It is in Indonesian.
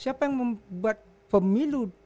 siapa yang membuat pemilu